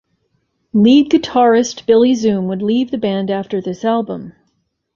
Lead guitarist Billy Zoom would leave the band after this album.